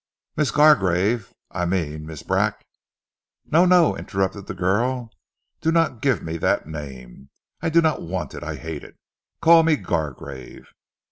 "Miss Gargrave I mean Mrs. Brack " "No! No!" interrupted the girl. "Do not give me that name. I do not want it. I hate it. Call me Gargrave."